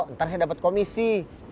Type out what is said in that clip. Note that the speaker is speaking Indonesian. ntar saya dapat komisi